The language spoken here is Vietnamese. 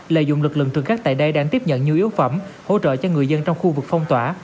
lợi dụng lực lượng trường cắt tại đây đang tiếp nhận nhiều yếu phẩm hỗ trợ cho người dân trong khu vực phong tỏa